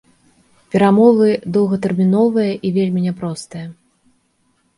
Перамовы доўгатэрміновыя і вельмі няпростыя.